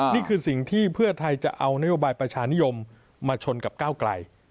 นี่คือสิ่งที่เพื่อไทยจะเอานโยบายประชานิยมมาชนกับก้าวไกล